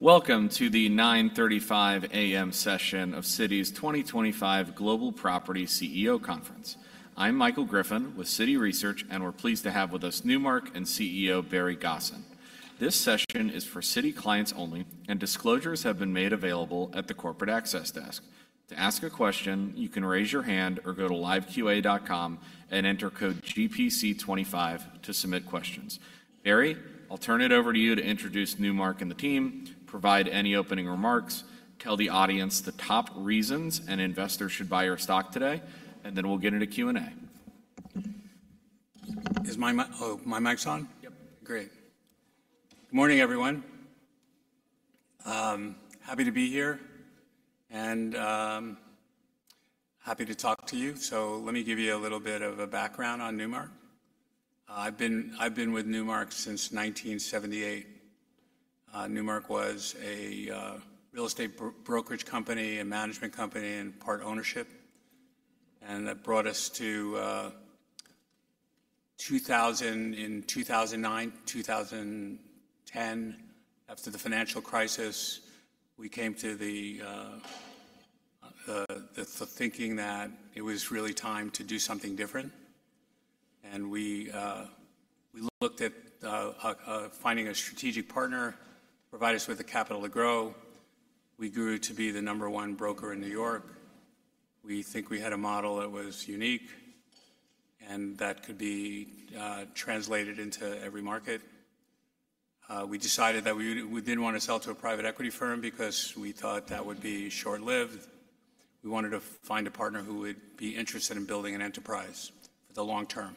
Welcome to the 9:35 A.M. session of Citi's 2025 Global Property CEO Conference. I'm Michael Griffin with Citi Research, and we're pleased to have with us Newmark and CEO Barry Gosin. This session is for Citi clients only, and disclosures have been made available at the Corporate Access Desk. To ask a question, you can raise your hand or go to liveqa.com and enter code GPC25 to submit questions. Barry, I'll turn it over to you to introduce Newmark and the team, provide any opening remarks, tell the audience the top reasons an investor should buy your stock today, and then we'll get into Q&A. Is my mic? Oh, my mic's on? Yep. Great. Good morning, everyone. Happy to be here and happy to talk to you. So let me give you a little bit of a background on Newmark. I've been with Newmark since 1978. Newmark was a real estate brokerage company, a management company, and part ownership. And that brought us to 2000, in 2009, 2010, after the financial crisis, we came to the thinking that it was really time to do something different. And we looked at finding a strategic partner, provide us with the capital to grow. We grew to be the number one broker in New York. We think we had a model that was unique and that could be translated into every market. We decided that we didn't want to sell to a private equity firm because we thought that would be short-lived. We wanted to find a partner who would be interested in building an enterprise for the long term.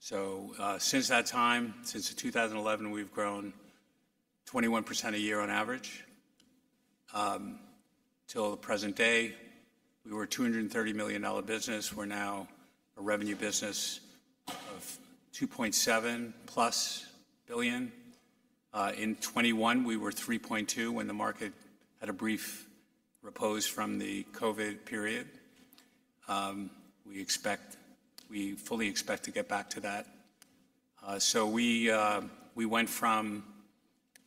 So, since that time, since 2011, we've grown 21% a year on average till the present day. We were a $230 million business. We're now a revenue business of $2.7+ billion. In 2021, we were $3.2 billion when the market had a brief repose from the COVID period. We expect, we fully expect to get back to that, so we, we went from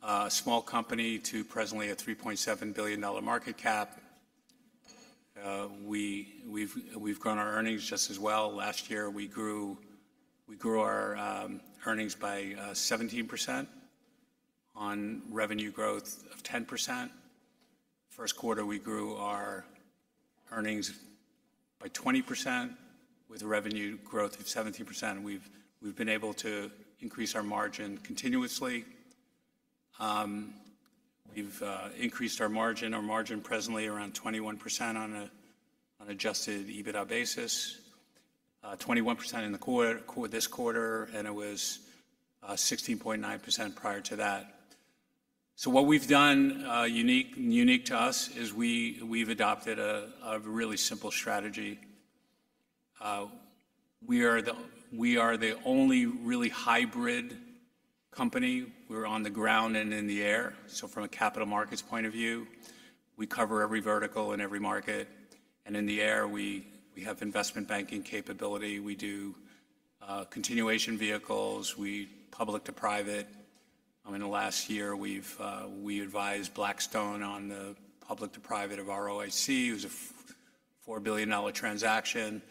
a small company to presently a $3.7 billion market cap. We, we've, we've grown our earnings just as well. Last year, we grew, we grew our earnings by 17% on revenue growth of 10%. First quarter, we grew our earnings by 20% with revenue growth of 17%. We've, we've been able to increase our margin continuously. We've increased our margin. Our margin is presently around 21% on an adjusted EBITDA basis, 21% in this quarter, and it was 16.9% prior to that. So what we've done, unique to us, is we've adopted a really simple strategy. We are the only really hybrid company. We're on the ground and in the air. So from a capital markets point of view, we cover every vertical and every market. And in the air, we have investment banking capability. We do continuation vehicles. Public to private. In the last year, we've advised Blackstone on the public to private of ROIC, who's a $4 billion transaction.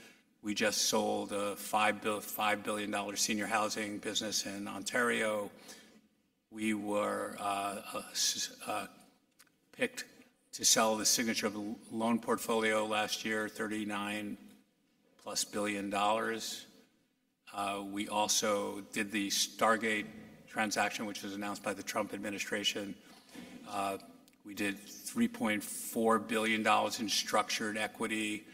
We just sold a $5 billion senior housing business in Ontario. We were picked to sell the Signature loan portfolio last year, $39+ billion. We also did the Stargate transaction, which was announced by the Trump administration. We did $3.4 billion in structured equity,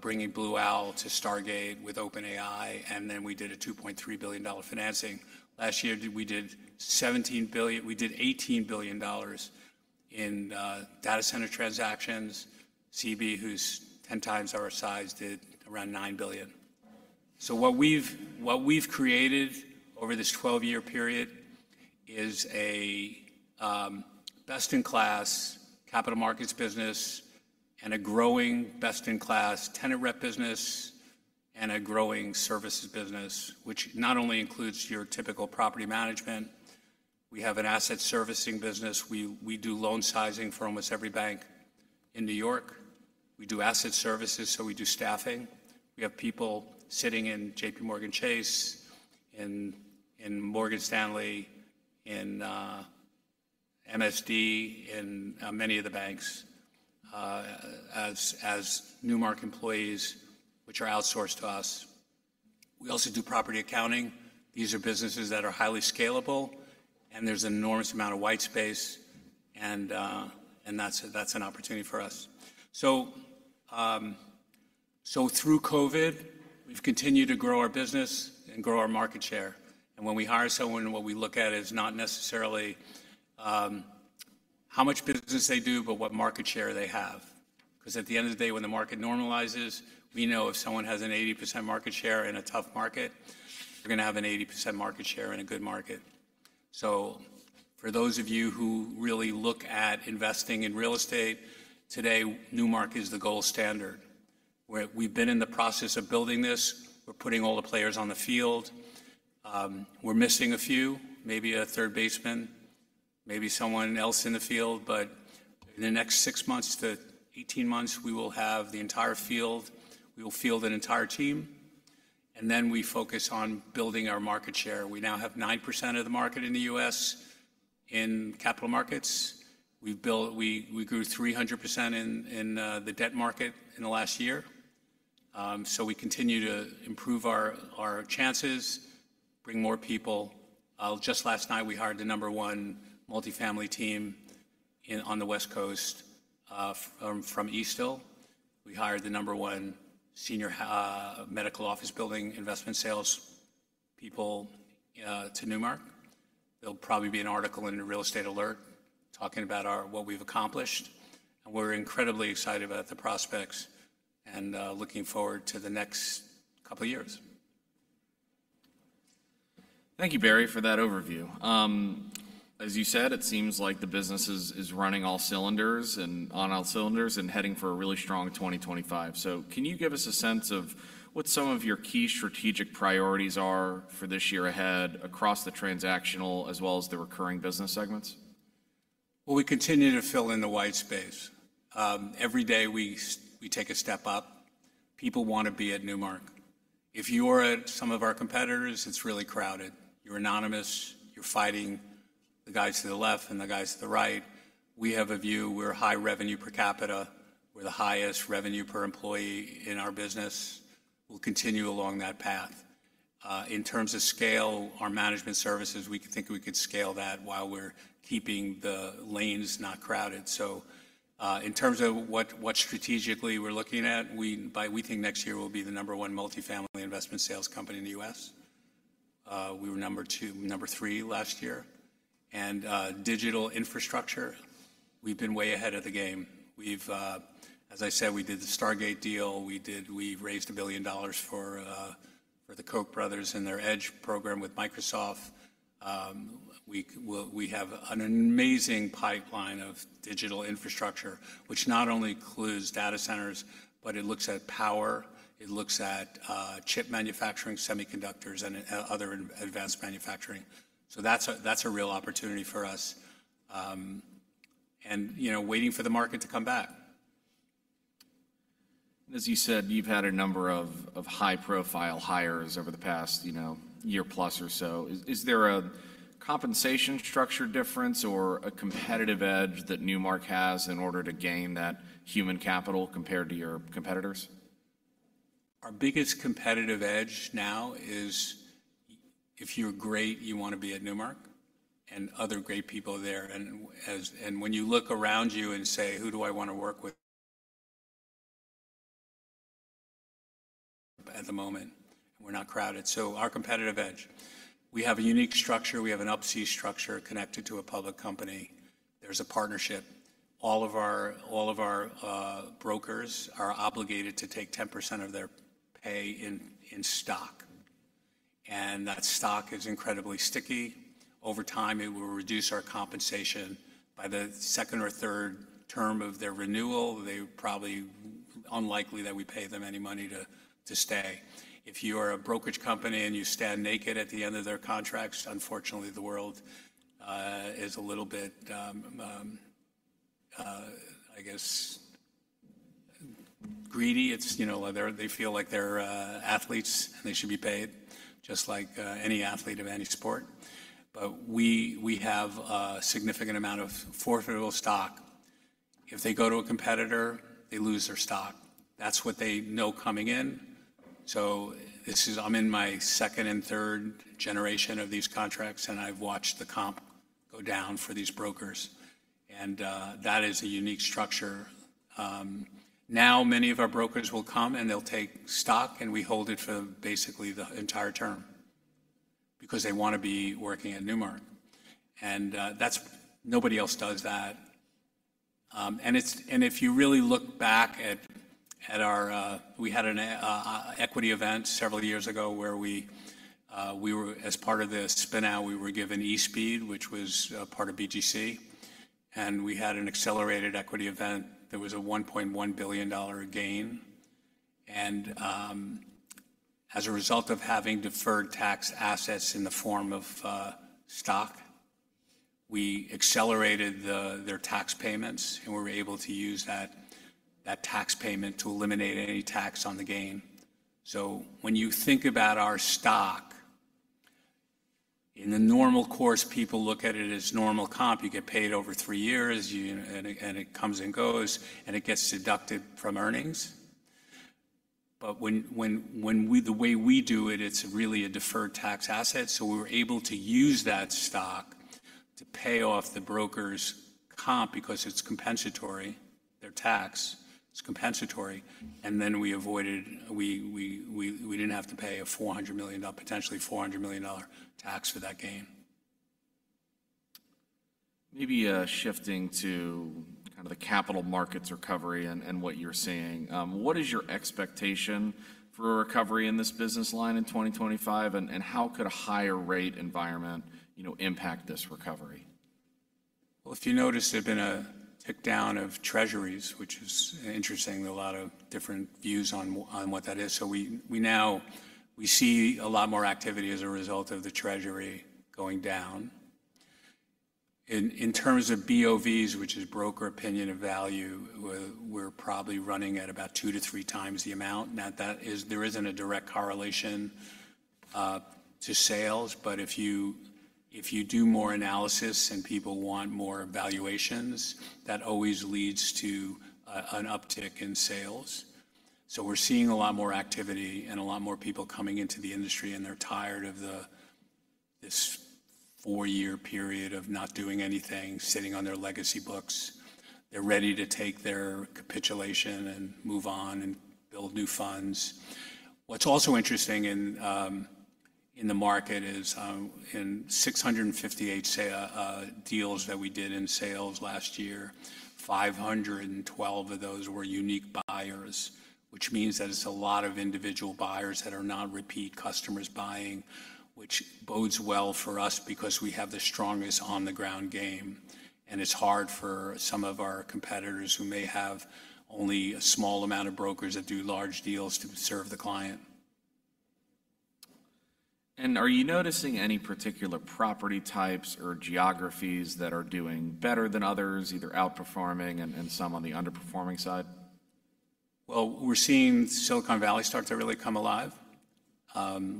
bringing Blue Owl to Stargate with OpenAI, and then we did a $2.3 billion financing. Last year, we did $17 billion, we did $18 billion in data center transactions. CB, who's 10x our size, did around $9 billion. So what we've created over this 12-year period is a best-in-class capital markets business and a growing best-in-class tenant rep business and a growing services business, which not only includes your typical property management. We have an asset servicing business. We do loan sizing for almost every bank in New York. We do asset services, so we do staffing. We have people sitting in JPMorgan Chase and in Morgan Stanley and MSD and many of the banks, as Newmark employees, which are outsourced to us. We also do property accounting. These are businesses that are highly scalable, and there's an enormous amount of white space. And that's an opportunity for us. So through COVID, we've continued to grow our business and grow our market share. And when we hire someone, what we look at is not necessarily how much business they do, but what market share they have. Because at the end of the day, when the market normalizes, we know if someone has an 80% market share in a tough market, they're going to have an 80% market share in a good market. So for those of you who really look at investing in real estate today, Newmark is the gold standard. We've been in the process of building this. We're putting all the players on the field. We're missing a few, maybe a third baseman, maybe someone else in the field. But in the next six months to 18 months, we will have the entire field. We will field an entire team. And then we focus on building our market share. We now have 9% of the market in the U.S. in capital markets. We built—we grew 300% in the debt market in the last year. So we continue to improve our chances, bring more people. Just last night, we hired the number one multifamily team on the West Coast from Eastdil. We hired the number one senior medical office building investment sales people to Newmark. There'll probably be an article in the Real Estate Alert talking about what we've accomplished. And we're incredibly excited about the prospects and looking forward to the next couple of years. Thank you, Barry, for that overview. As you said, it seems like the business is running on all cylinders and heading for a really strong 2025, so can you give us a sense of what some of your key strategic priorities are for this year ahead across the transactional as well as the recurring business segments? We continue to fill in the white space. Every day we take a step up. People want to be at Newmark. If you're at some of our competitors, it's really crowded. You're anonymous. You're fighting the guys to the left and the guys to the right. We have a view we're high revenue per capita. We're the highest revenue per employee in our business. We'll continue along that path. In terms of scale, our management services, we think we could scale that while we're keeping the lanes not crowded. So, in terms of what strategically we're looking at, we think next year we'll be the number one multifamily investment sales company in the U.S. We were number two-number three last year. Digital infrastructure, we've been way ahead of the game. As I said, we did the Stargate deal. We raised $1 billion for the Koch brothers and their edge program with Microsoft. We have an amazing pipeline of digital infrastructure, which not only includes data centers, but it looks at power. It looks at chip manufacturing, semiconductors, and other advanced manufacturing. So that's a real opportunity for us, and you know, waiting for the market to come back. As you said, you've had a number of high-profile hires over the past, you know, year plus or so. Is there a compensation structure difference or a competitive edge that Newmark has in order to gain that human capital compared to your competitors? Our biggest competitive edge now is if you're great, you want to be at Newmark and other great people there, and when you look around you and say, "Who do I want to work with?" At the moment, we're not crowded, so our competitive edge, we have a unique structure. We have an Up-C structure connected to a public company. There's a partnership. All of our brokers are obligated to take 10% of their pay in stock. And that stock is incredibly sticky. Over time, it will reduce our compensation. By the second or third term of their renewal, they're probably unlikely that we pay them any money to stay. If you are a brokerage company and you stand naked at the end of their contracts, unfortunately, the world is a little bit, I guess, greedy. It's, you know, they feel like they're athletes and they should be paid just like any athlete of any sport. But we have a significant amount of forfeitable stock. If they go to a competitor, they lose their stock. That's what they know coming in. So this is. I'm in my second and third generation of these contracts, and I've watched the comp go down for these brokers. And that is a unique structure. Now many of our brokers will come and they'll take stock, and we hold it for basically the entire term because they want to be working at Newmark. And that's nobody else does that. And it's and if you really look back at our, we had an equity event several years ago where we were as part of this spin-out, we were given eSpeed, which was part of BGC. And we had an accelerated equity event. There was a $1.1 billion gain. As a result of having deferred tax assets in the form of stock, we accelerated their tax payments and were able to use that tax payment to eliminate any tax on the gain. So when you think about our stock, in the normal course, people look at it as normal comp. You get paid over three years, and it comes and goes, and it gets deducted from earnings. But the way we do it, it's really a deferred tax asset. So we were able to use that stock to pay off the broker's comp because it's compensatory. Their tax is compensatory. And then we avoided. We didn't have to pay a $400 million, potentially $400 million tax for that gain. Maybe shifting to kind of the capital markets recovery and what you're seeing, what is your expectation for a recovery in this business line in 2025? And how could a higher rate environment, you know, impact this recovery? If you notice, there's been a pick up of treasuries, which is interesting. There are a lot of different views on what that is. So we now see a lot more activity as a result of the treasury going down. In terms of BOVs, which is Broker Opinion of Value, we're probably running at about two to three times the amount. Now, that is. There isn't a direct correlation to sales, but if you do more analysis and people want more valuations, that always leads to an uptick in sales. So we're seeing a lot more activity and a lot more people coming into the industry, and they're tired of this four-year period of not doing anything, sitting on their legacy books. They're ready to take their capitulation and move on and build new funds. What's also interesting in the market is in, say, 658 deals that we did in sales last year, 512 of those were unique buyers, which means that it's a lot of individual buyers that are not repeat customers buying, which bodes well for us because we have the strongest on-the-ground game, and it's hard for some of our competitors who may have only a small amount of brokers that do large deals to serve the client. Are you noticing any particular property types or geographies that are doing better than others, either outperforming and some on the underperforming side? We're seeing Silicon Valley stocks that really come alive,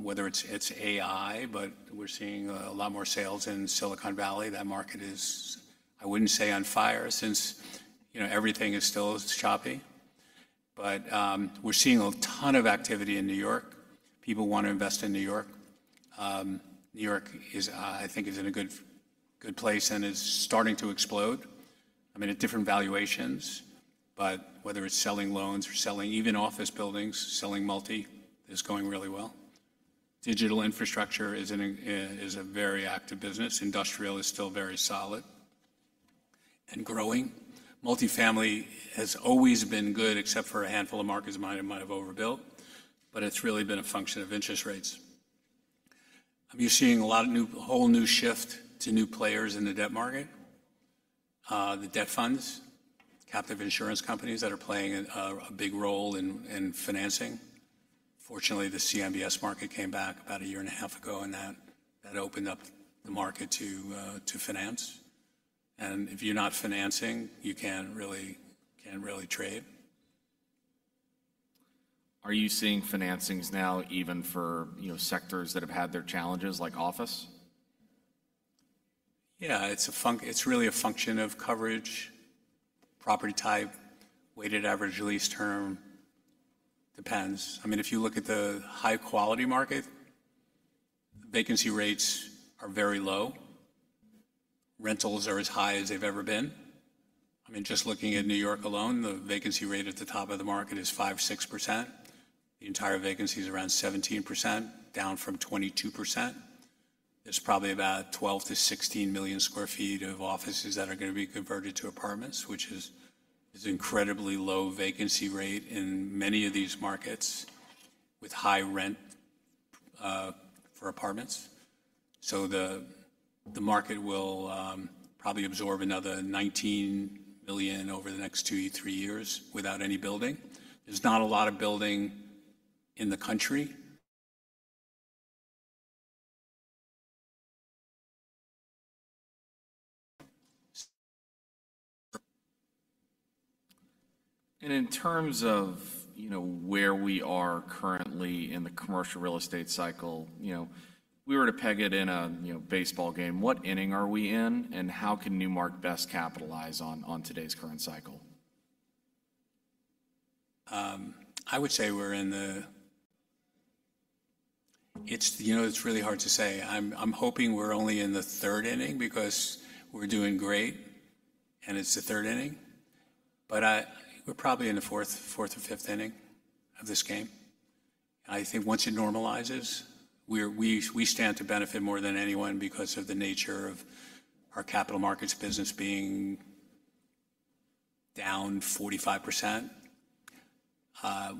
whether it's, it's AI, but we're seeing a lot more sales in Silicon Valley. That market is, I wouldn't say on fire since, you know, everything is still choppy. But, we're seeing a ton of activity in New York. People want to invest in New York. New York is, I think is in a good, good place and is starting to explode. I mean, at different valuations, but whether it's selling loans or selling even office buildings, selling multi, that's going really well. Digital infrastructure is a, is a very active business. Industrial is still very solid and growing. Multifamily has always been good, except for a handful of markets that might have overbuilt, but it's really been a function of interest rates. I mean, you're seeing a lot of new, whole new shift to new players in the debt market. The debt funds, captive insurance companies that are playing a big role in financing. Fortunately, the CMBS market came back about a year and a half ago, and that opened up the market to finance, and if you're not financing, you can't really trade. Are you seeing financings now even for, you know, sectors that have had their challenges like office? Yeah, it's really a function of coverage, property type, weighted average lease term. Depends. I mean, if you look at the high-quality market, vacancy rates are very low. Rentals are as high as they've ever been. I mean, just looking at New York alone, the vacancy rate at the top of the market is 5-6%. The entire vacancy is around 17%, down from 22%. There's probably about 12 to 16 million sq ft of offices that are going to be converted to apartments, which is an incredibly low vacancy rate in many of these markets with high rent, for apartments. So the market will probably absorb another 19 million over the next two, three years without any building. There's not a lot of building in the country. In terms of, you know, where we are currently in the commercial real estate cycle, you know, if we were to peg it in a, you know, baseball game, what inning are we in and how can Newmark best capitalize on today's current cycle? I would say we're in the, it's, you know, it's really hard to say. I'm hoping we're only in the third inning because we're doing great and it's the third inning. But we're probably in the fourth or fifth inning of this game. I think once it normalizes, we stand to benefit more than anyone because of the nature of our capital markets business being down 45%. I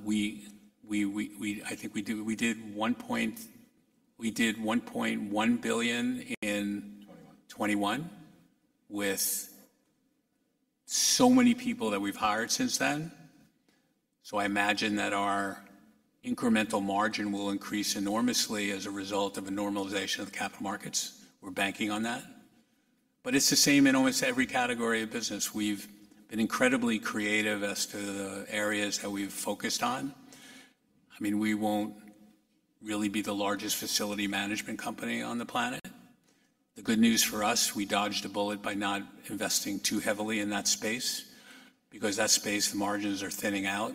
think we did one point, we did $1.1 billion in 2021 with so many people that we've hired since then. So I imagine that our incremental margin will increase enormously as a result of a normalization of the capital markets. We're banking on that. But it's the same in almost every category of business. We've been incredibly creative as to the areas that we've focused on. I mean, we won't really be the largest facility management company on the planet. The good news for us, we dodged a bullet by not investing too heavily in that space because that space, the margins are thinning out.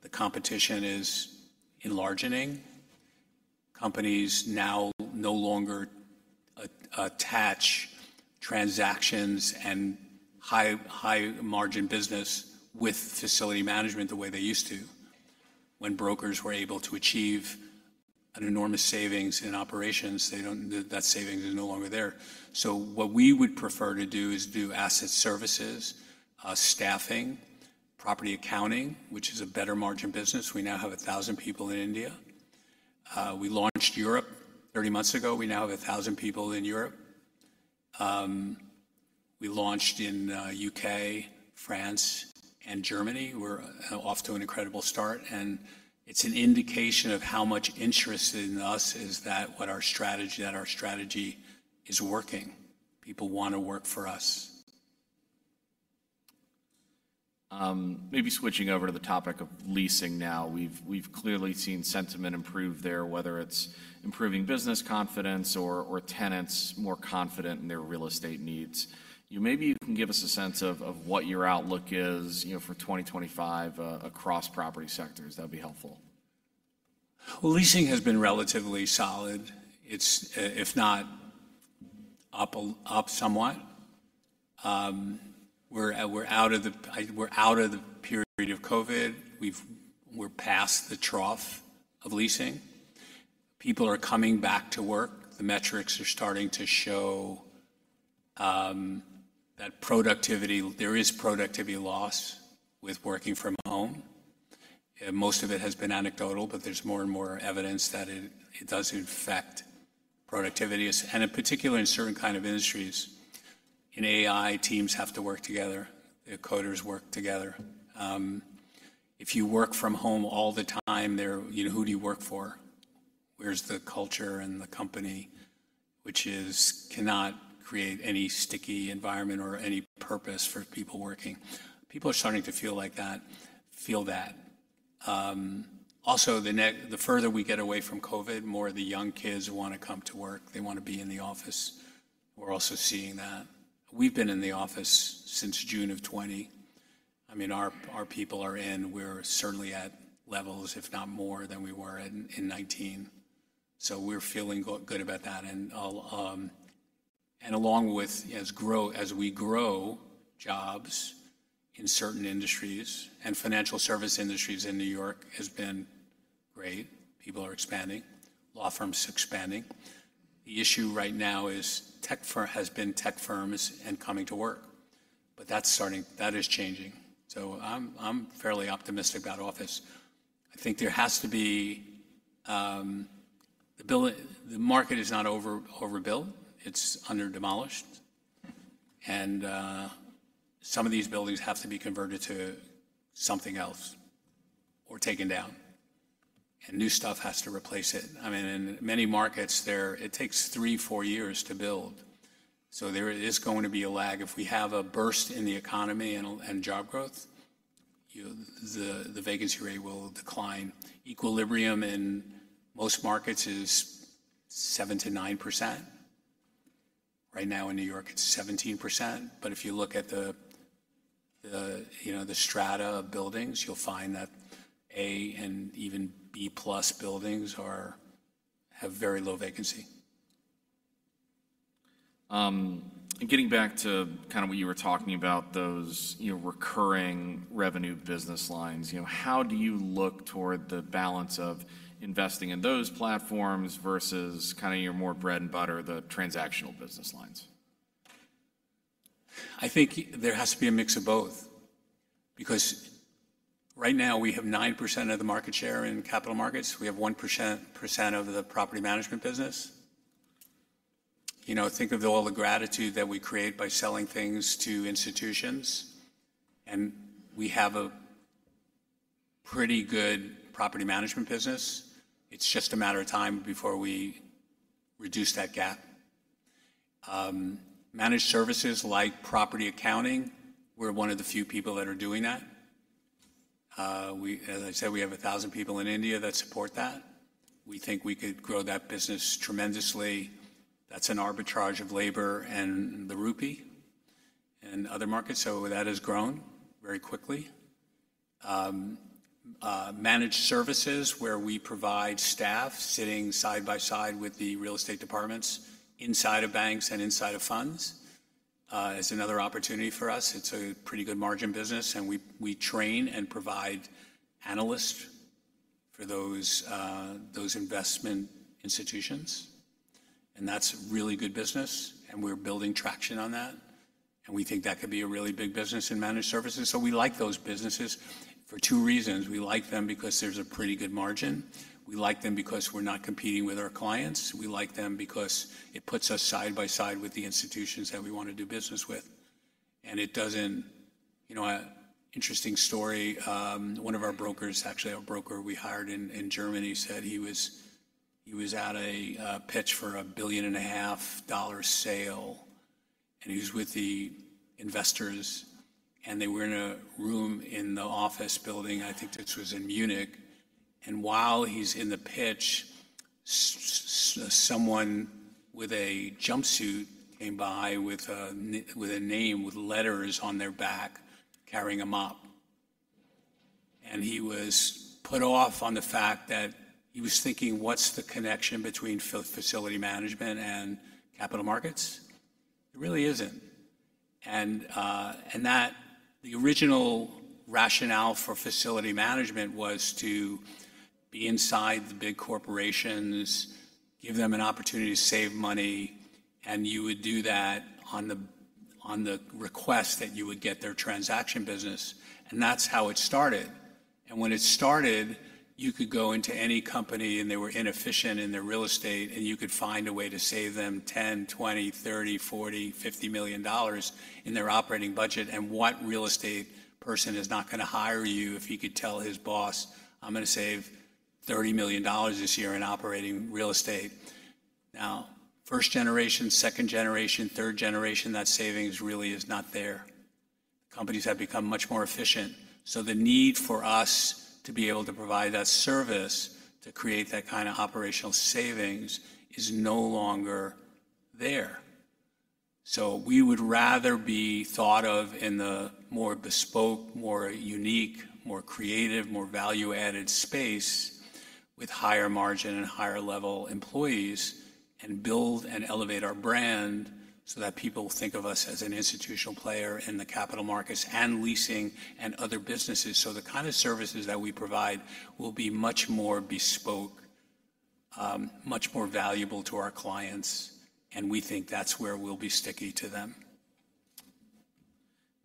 The competition is intensifying. Companies now no longer attach transactions and high, high margin business with facility management the way they used to. When brokers were able to achieve enormous savings in operations, they don't - that savings are no longer there. So what we would prefer to do is do asset services, staffing, property accounting, which is a better margin business. We now have 1,000 people in India. We launched in Europe 30 months ago. We now have 1,000 people in Europe. We launched in U.K., France, and Germany. We're off to an incredible start, and it's an indication of how much interest in us is that what our strategy, that our strategy is working. People want to work for us. Maybe switching over to the topic of leasing now, we've clearly seen sentiment improve there, whether it's improving business confidence or tenants more confident in their real estate needs. You maybe can give us a sense of what your outlook is, you know, for 2025 across property sectors. That'd be helpful. Leasing has been relatively solid. It's if not up, up somewhat. We're out of the period of COVID. We're past the trough of leasing. People are coming back to work. The metrics are starting to show that productivity—there is productivity loss with working from home. And most of it has been anecdotal, but there's more and more evidence that it does affect productivity. And in particular, in certain kinds of industries, in AI, teams have to work together. Their coders work together. If you work from home all the time, they're—you know, who do you work for? Where's the culture and the company, which cannot create any sticky environment or any purpose for people working? People are starting to feel like that, feel that. Also the further we get away from COVID, more of the young kids want to come to work. They want to be in the office. We're also seeing that. We've been in the office since June of 2020. I mean, our people are in. We're certainly at levels, if not more, than we were in 2019. So we're feeling good about that, and along with as we grow jobs in certain industries and financial services industries in New York has been great. People are expanding. Law firms are expanding. The issue right now is tech firms have not been coming to work, but that is changing, so I'm fairly optimistic about office. I think the market is not overbuilt. It's under-demolished, and some of these buildings have to be converted to something else or taken down, and new stuff has to replace it. I mean, in many markets there, it takes three, four years to build. There is going to be a lag. If we have a burst in the economy and job growth, you know, the vacancy rate will decline. Equilibrium in most markets is 7-9%. Right now in New York, it's 17%. But if you look at the, you know, the strata of buildings, you'll find that A and even B plus buildings have very low vacancy. And getting back to kind of what you were talking about, those, you know, recurring revenue business lines, you know, how do you look toward the balance of investing in those platforms versus kind of your more bread and butter, the transactional business lines? I think there has to be a mix of both because right now we have 9% of the market share in capital markets. We have 1% of the property management business. You know, think of all the goodwill that we create by selling things to institutions. And we have a pretty good property management business. It's just a matter of time before we reduce that gap. Managed services like property accounting, we're one of the few people that are doing that. We, as I said, we have a thousand people in India that support that. We think we could grow that business tremendously. That's an arbitrage of labor and the rupee and other markets. So that has grown very quickly. Managed services where we provide staff sitting side by side with the real estate departments inside of banks and inside of funds, is another opportunity for us. It's a pretty good margin business. And we train and provide analysts for those investment institutions. And that's a really good business. And we're building traction on that. And we think that could be a really big business in managed services. So we like those businesses for two reasons. We like them because there's a pretty good margin. We like them because we're not competing with our clients. We like them because it puts us side by side with the institutions that we want to do business with. And it doesn't, you know. One of our brokers, actually a broker we hired in Germany, said he was at a pitch for a $1.5 billion sale. And he was with the investors. And they were in a room in the office building. I think this was in Munich. While he's in the pitch, someone with a jumpsuit came by with a name with letters on their back carrying a mop. He was put off on the fact that he was thinking, what's the connection between facility management and capital markets. It really isn't. The original rationale for facility management was to be inside the big corporations, give them an opportunity to save money. You would do that on the request that you would get their transaction business. That's how it started. When it started, you could go into any company and they were inefficient in their real estate and you could find a way to save them $10, $20, $30, $40, $50 million in their operating budget. And what real estate person is not going to hire you if he could tell his boss, "I'm going to save $30 million this year in operating real estate." Now, first generation, second generation, third generation, that savings really is not there. Companies have become much more efficient. So the need for us to be able to provide that service to create that kind of operational savings is no longer there. So we would rather be thought of in the more bespoke, more unique, more creative, more value-added space with higher margin and higher level employees and build and elevate our brand so that people think of us as an institutional player in the capital markets and leasing and other businesses. So the kind of services that we provide will be much more bespoke, much more valuable to our clients. We think that's where we'll be sticky to them.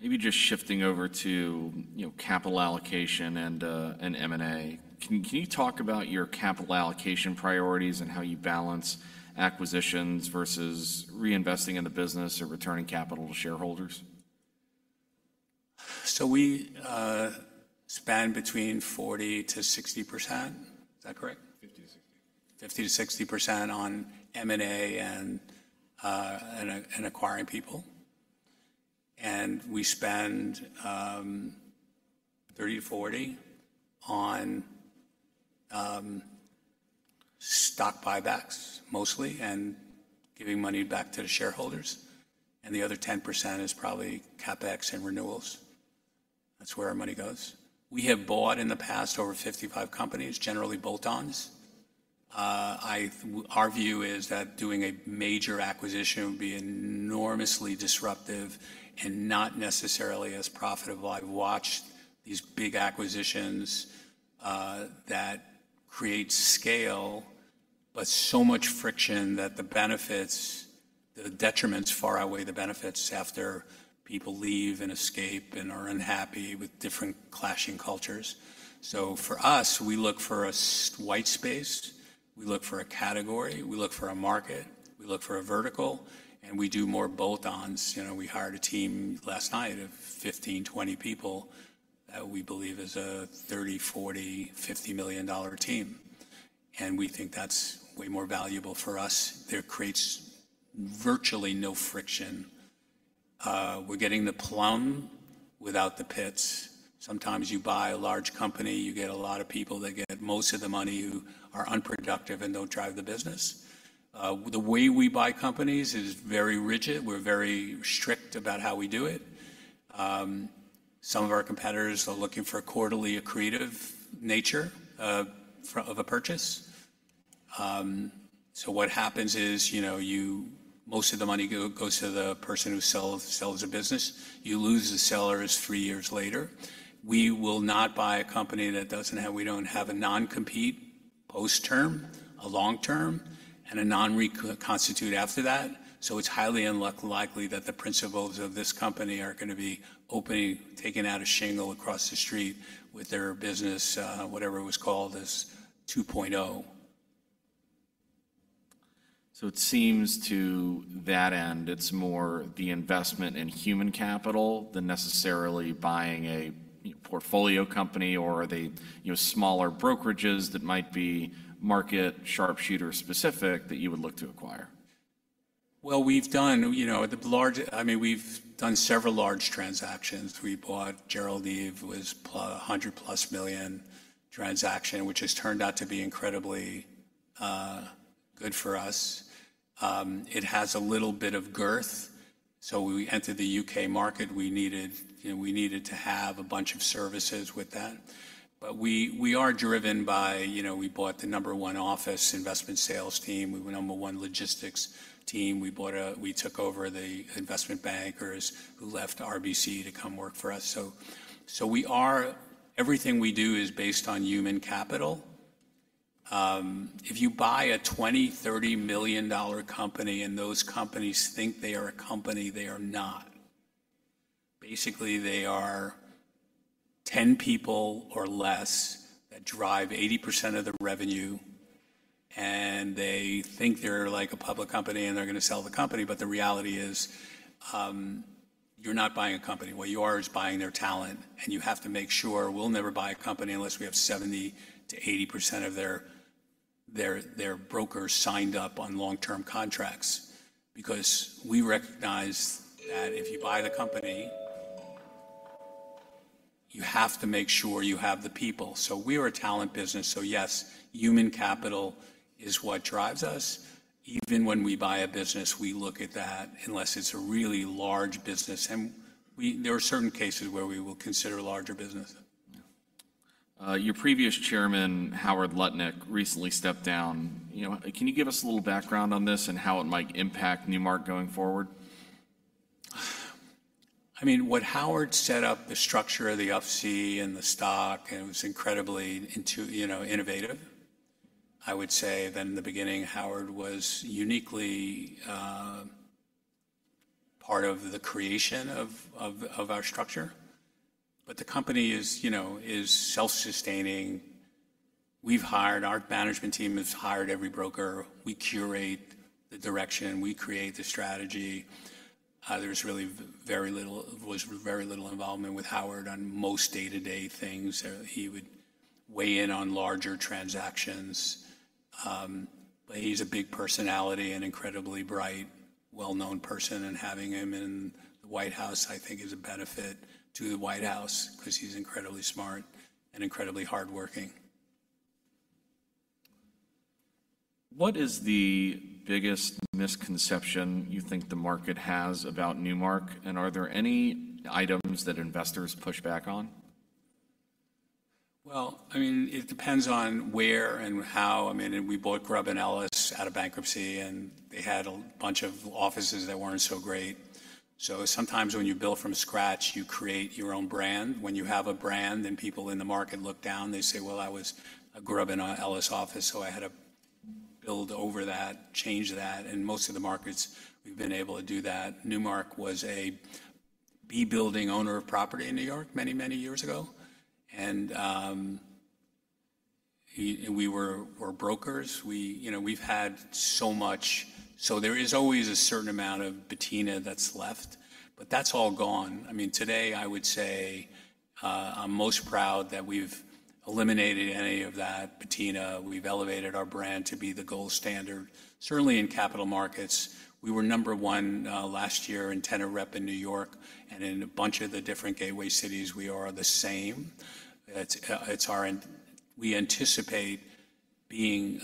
Maybe just shifting over to, you know, capital allocation and M&A. Can you talk about your capital allocation priorities and how you balance acquisitions versus reinvesting in the business or returning capital to shareholders? So we spend between 40-60%. Is that correct? 50-60. 50%-60% on M&A and acquiring people. We spend 30%-40% on stock buybacks mostly and giving money back to the shareholders. The other 10% is probably CapEx and renewals. That's where our money goes. We have bought in the past over 55 companies, generally bolt-ons. Our view is that doing a major acquisition would be enormously disruptive and not necessarily as profitable. I've watched these big acquisitions that create scale, but so much friction that the detriments far outweigh the benefits after people leave and escape and are unhappy with different clashing cultures. For us, we look for a white space. We look for a category. We look for a market. We look for a vertical. We do more bolt-ons. You know, we hired a team last night of 15-20 people that we believe is a $30-$50 million team. We think that's way more valuable for us. That creates virtually no friction. We're getting the plum without the pits. Sometimes you buy a large company, you get a lot of people that get most of the money who are unproductive and don't drive the business. The way we buy companies is very rigid. We're very strict about how we do it. Some of our competitors are looking for a quarterly accretive nature of a purchase. So what happens is, you know, you, most of the money goes to the person who sells a business. You lose the sellers three years later. We will not buy a company that doesn't have a non-compete post term, a long term, and a non-reconstitute after that. So it's highly unlikely that the principals of this company are going to be opening, taking out a shingle across the street with their business, whatever it was called as 2.0. It seems to that end, it's more the investment in human capital than necessarily buying a portfolio company or the, you know, smaller brokerages that might be market sharpshooter specific that you would look to acquire. We've done, you know, the large, I mean, we've done several large transactions. We bought Gerald Eve, was a $100 million-plus transaction, which has turned out to be incredibly good for us. It has a little bit of girth. So we entered the U.K. market. We needed, you know, we needed to have a bunch of services with that. But we, we are driven by, you know, we bought the number one office investment sales team. We were number one logistics team. We bought a, we took over the investment bankers who left RBC to come work for us. So, so we are, everything we do is based on human capital. If you buy a $20-30 million company and those companies think they are a company, they are not. Basically, they are 10 people or less that drive 80% of the revenue. They think they're like a public company and they're going to sell the company. The reality is, you're not buying a company. What you are is buying their talent. You have to make sure we'll never buy a company unless we have 70-80% of their brokers signed up on long-term contracts. Because we recognize that if you buy the company, you have to make sure you have the people. We are a talent business. Yes, human capital is what drives us. Even when we buy a business, we look at that unless it's a really large business. There are certain cases where we will consider a larger business. Your previous chairman, Howard Lutnick, recently stepped down. You know, can you give us a little background on this and how it might impact Newmark going forward? I mean, what Howard set up, the structure of the Up-C and the stock, and it was incredibly, you know, innovative. I would say then in the beginning, Howard was uniquely part of the creation of our structure. But the company is, you know, self-sustaining. We've hired; our management team has hired every broker. We curate the direction. We create the strategy. There's really very little involvement with Howard on most day-to-day things. He would weigh in on larger transactions. But he's a big personality and incredibly bright, well-known person. And having him in the White House, I think, is a benefit to the White House because he's incredibly smart and incredibly hardworking. What is the biggest misconception you think the market has about Newmark? And are there any items that investors push back on? I mean, it depends on where and how. I mean, we bought Grubb & Ellis out of bankruptcy and they had a bunch of offices that weren't so great. So sometimes when you build from scratch, you create your own brand. When you have a brand and people in the market look down, they say, well, I was, I grew up in an Ellis office, so I had to build over that, change that. And most of the markets, we've been able to do that. Newmark was a B building owner of property in New York many, many years ago. And we're brokers. We, you know, we've had so much. So there is always a certain amount of patina that's left, but that's all gone. I mean, today I would say, I'm most proud that we've eliminated any of that patina. We've elevated our brand to be the gold standard. Certainly in capital markets. We were number one, last year in tenant rep in New York and in a bunch of the different gateway cities. We are the same. It's our end. We anticipate being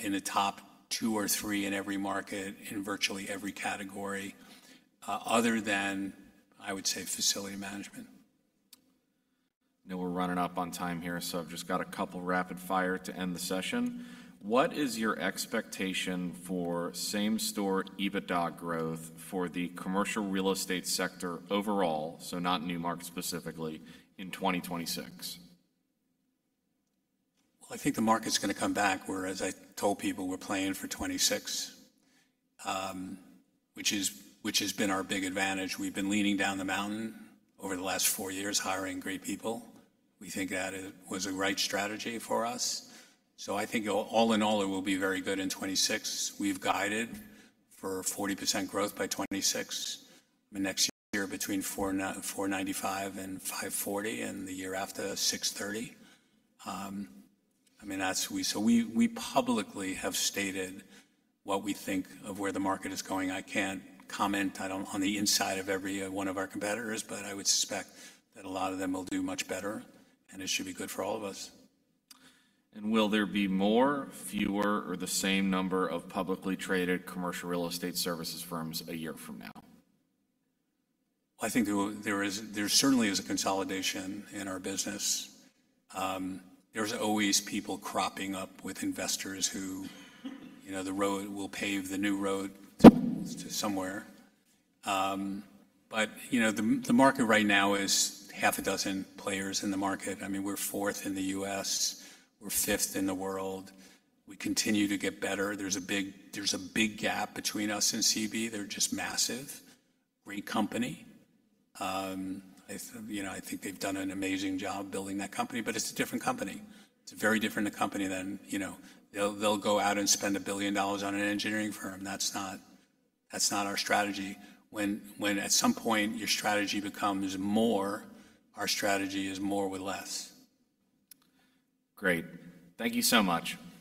in the top two or three in every market in virtually every category, other than, I would say, facility management. Now we're running up on time here, so I've just got a couple rapid fire to end the session. What is your expectation for same store EBITDA growth for the commercial real estate sector overall, so not Newmark specifically, in 2026? I think the market's going to come back, whereas I told people we're playing for 2026, which is, which has been our big advantage. We've been leaning down the mountain over the last four years, hiring great people. We think that it was the right strategy for us. I think all in all, it will be very good in 2026. We've guided for 40% growth by 2026. I mean, next year between 495 and 540 and the year after 630. I mean, we publicly have stated what we think of where the market is going. I can't comment on the inside of every one of our competitors, but I would suspect that a lot of them will do much better and it should be good for all of us. Will there be more, fewer, or the same number of publicly traded commercial real estate services firms a year from now? I think there is, there certainly is a consolidation in our business. There's always people cropping up with investors who, you know, the road will pave the new road to somewhere, but you know, the market right now is half a dozen players in the market. I mean, we're fourth in the U.S. We're fifth in the world. We continue to get better. There's a big gap between us and CB. They're just massive great company. You know, I think they've done an amazing job building that company, but it's a different company. It's a very different company than, you know, they'll go out and spend $1 billion on an engineering firm. That's not our strategy. When at some point your strategy becomes more, our strategy is more with less. Great. Thank you so much.